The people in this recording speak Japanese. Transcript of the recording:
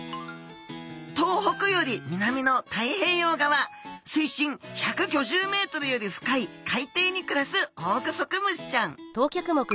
東北より南の太平洋側水深１５０ｍより深い海底に暮らすオオグソクムシちゃん。